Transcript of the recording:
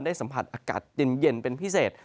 สัมผัสอากาศเย็นเป็นพิเศษ